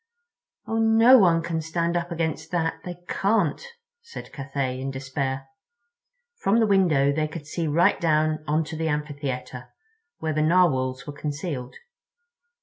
"Oh, no one can stand up against that—they can't," said Cathay, in despair. From the window they could see right down onto the amphitheater, where the Narwhals were concealed.